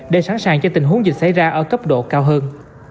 để sẵn sàng cho tình huống dịch xảy ra ở cấp độ cao hơn